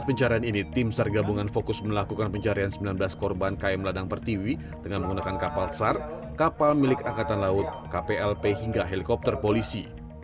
pencarian ini tim sar gabungan fokus melakukan pencarian sembilan belas korban km ladang pertiwi dengan menggunakan kapal sar kapal milik angkatan laut kplp hingga helikopter polisi